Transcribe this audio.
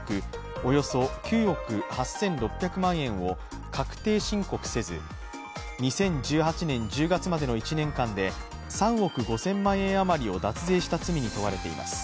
およそ９億８６００万円を確定申告せず２０１８年１０月までの１年間で３億５０００万円余りを脱税した罪に問われています。